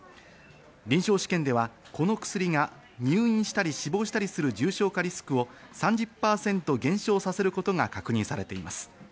臨床試験ではこの薬が入院したり死亡したりする重症化リスクを３０％減少させることが確認されています。